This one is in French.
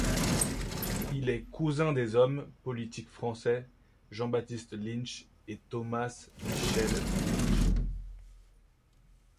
Il est cousin des hommes politiques français Jean-Baptiste Lynch et Thomas-Michel Lynch.